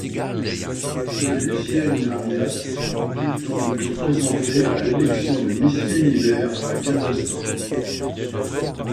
Seule Lucienne Nahmias put donc se présenter à l'élection de Miss Univers à Galveston.